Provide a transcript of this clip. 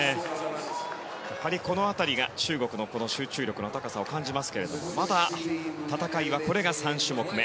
この辺りが中国の集中力の高さを感じますがまだ戦いはこれが３種目め。